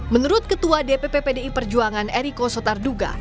menurut ketua dpp pdi perjuangan eriko sotarduga